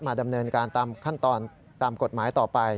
ดำเนินการตามขั้นตอนตามกฎหมายต่อไป